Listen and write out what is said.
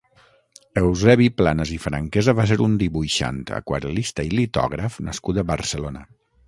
Eusebi Planas i Franquesa va ser un dibuixant, aquarel·lista i litògraf nascut a Barcelona.